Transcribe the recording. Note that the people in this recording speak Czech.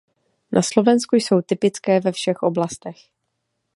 Na Slovensku jsou typické ve všech oblastech.